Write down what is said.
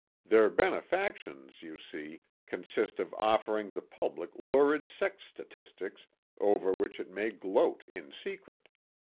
Their benefactions, you see, consist of offering the public lurid sex statistics over which it may gloat in secret.